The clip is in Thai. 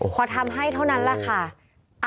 พอทำให้เท่านั้นแหละค่ะ